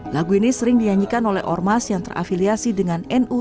lagu ini sering dinyanyikan oleh ormas yang terafiliasi dengan nu